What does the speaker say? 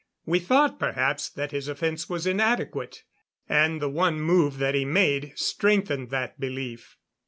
We thought perhaps that his offense was inadequate and the one move that he made strengthened that belief.